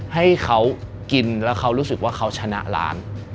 ให้เขากินแล้วเขารู้สึกว่าเขาชนะร้าน